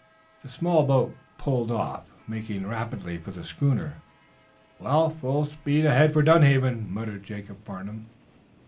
The small boat put off, making rapidly for the schooner. "Well, full speed ahead for Dunhaven," muttered Jacob Farnum.